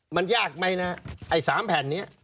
มันยากไหมนะไอ้๓แผ่นนี้